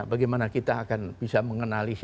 bagaimana kita akan bisa mengenali siapa dia